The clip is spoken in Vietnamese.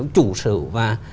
chủ sở và